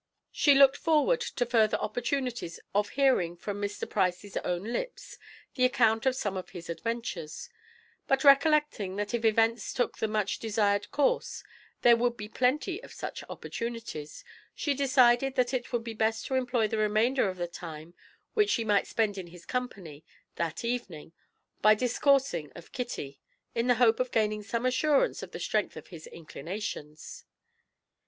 She looked forward to further opportunities of hearing from Mr. Price's own lips the account of some of his adventures; but recollecting that if events took the much desired course there would be plenty of such opportunities, she decided that it would be best to employ the remainder of the time which she might spend in his company that evening by discoursing of Kitty, in the hope of gaining some assurance of the strength of his inclinations.